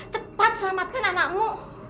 cepat selamatkan anakmu